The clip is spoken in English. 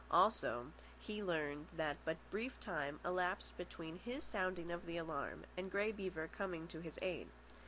Also, he learned that but brief time elapsed between his sounding of the alarm and Grey Beaver coming to his aid.